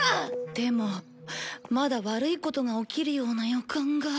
でもまだ悪いことが起きるような予感が。